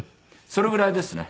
それぐらいですね。